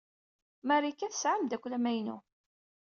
Marika tesɛa ameddakel amaynu.